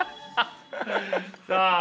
さあ。